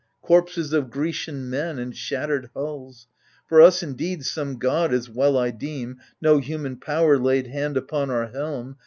Corpses of Grecian men and shattered hulls. For us indeed, some god, as well I deem, No human power, laid hand upon our helm.